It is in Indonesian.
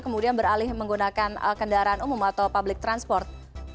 kemudian beralih menggunakan kendaraan umum atau public transport